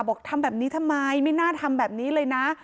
ทำแบบนี้ทำไมไม่น่าทำแบบนี้เลยนะ